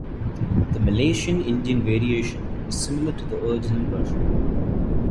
The Malaysian Indian variation is similar to the original version.